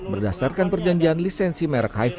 berdasarkan perjanjian lisensi merek hi lima